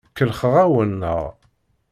Kellxeɣ-awen, naɣ?